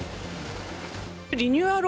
リニューアル